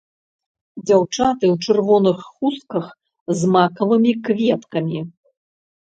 Дзяўчаты ў чырвоных хустках з макавымі кветкамі.